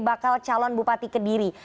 bakal calon bupati kediri